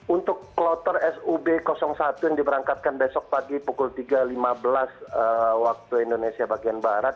untuk kloter sub satu yang diberangkatkan besok pagi pukul tiga lima belas waktu indonesia bagian barat